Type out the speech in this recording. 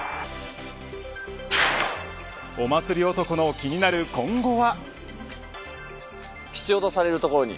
お祭り男の気になる今後は。